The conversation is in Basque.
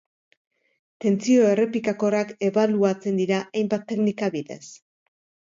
Tentsio errepikakorrak ebaluatzen dira hainbat teknika bidez.